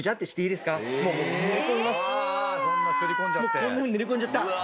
もうこんなふうに塗り込んじゃった。